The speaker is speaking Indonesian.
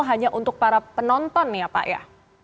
hanya untuk para penonton ya pak ya